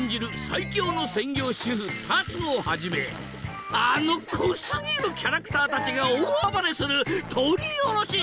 最強の専業主夫龍をはじめあの濃過ぎるキャラクターたちが大暴れする撮り下ろし